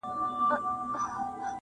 وو حاکم خو زور یې زیات تر وزیرانو؛